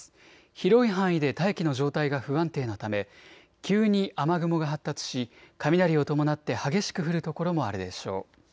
広い範囲で大気の状態が不安定なため、急に雨雲が発達し雷を伴って激しく降る所もあるでしょう。